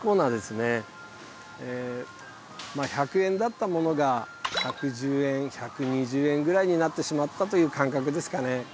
まあ１００円だったものが１１０円１２０円ぐらいになってしまったという感覚ですかね。